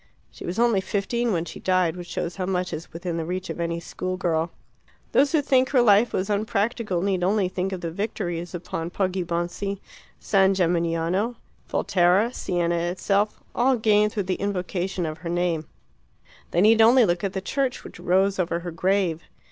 She was only fifteen when she died, which shows how much is within the reach of any school girl. Those who think her life was unpractical need only think of the victories upon Poggibonsi, San Gemignano, Volterra, Siena itself all gained through the invocation of her name; they need only look at the church which rose over her grave.